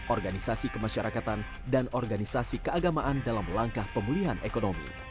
organisasi kemasyarakatan dan organisasi keagamaan dalam langkah pemulihan ekonomi